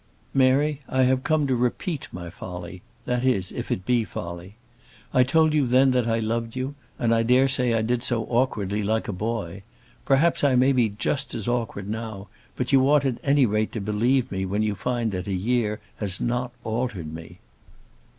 "Mary, I have come to repeat my folly; that is, if it be folly. I told you then that I loved you, and I dare say that I did so awkwardly, like a boy. Perhaps I may be just as awkward now; but you ought at any rate to believe me when you find that a year has not altered me."